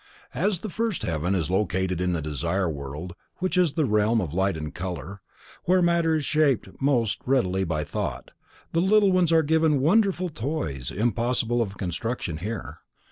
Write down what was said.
As the first heaven is located in the Desire World,—which is the realm of light and color,—where matter is shaped most readily by thought, the little ones are given wonderful toys impossible of construction here.